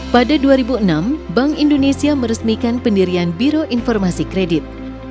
pada dua ribu enam bank indonesia meresmikan pendirian biro informasi kredit